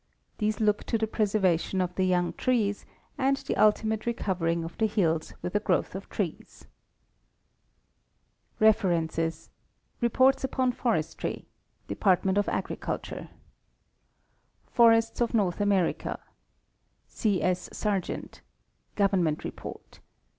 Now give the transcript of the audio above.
These look to the preservation of the young trees and the ultimate recovering of the hills with a growth of trees. References: Reports upon Forestry, Department of Agriculture. Forests of North America. C. S. Sargent. (Government Report.)